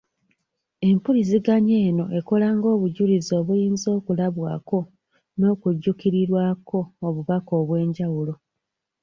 Empuliziganya eno ekola ng'obujulizi obuyinza okulabwako n'okujjukirirwako obubaka obw'enjawulo.